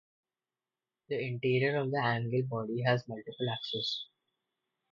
The interior of the algal body has multiple axes.